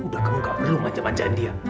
udah kebuka belum aja banjir dia